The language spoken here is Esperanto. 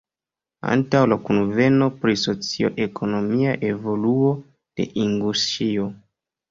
Antaŭ la kunveno pri socio-ekonomia evoluo de Inguŝio.